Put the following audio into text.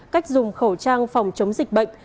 cách dùng khẩu trang phòng chống dịch bệnh